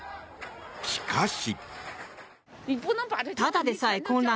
しかし。